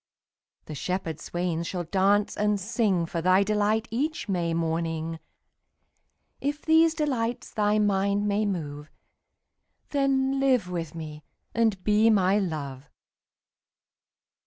20 The shepherd swains shall dance and sing For thy delight each May morning: If these delights thy mind may move, Then live with me and be my Love.